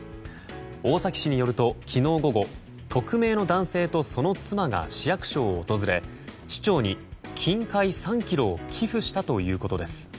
大崎市によると昨日午後匿名の男性とその妻が市役所を訪れ市長に金塊３ｋｇを寄付したということです。